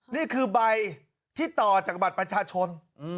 นี่คือใบที่ต่อจากบัตรประชาชน